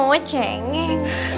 ya mama cengek